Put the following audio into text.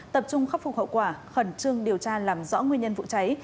tập trung khắc phục hậu quả khẩn trương điều tra làm rõ nguyên nhân vụ cháy